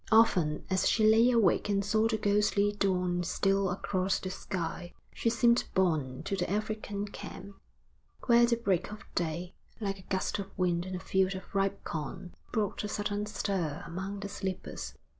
Often as she lay awake and saw the ghostly dawn steal across the sky, she seemed borne to the African camp, where the break of day, like a gust of wind in a field of ripe corn, brought a sudden stir among the sleepers.